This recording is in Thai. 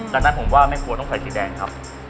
ดังนั้นผมว่าแม่ครัวต้องใส่สีแดงครับ